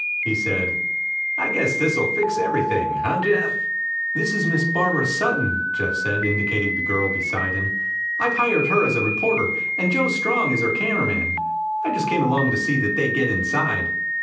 He said, "I guess this will fix everything, huh Jeff?" "This is Miss Barbara Sutton," Jeff said, indicating the girl beside him. "I've hired her as a reporter, and Joe Strong is her cameraman. I just came along to see that they get inside.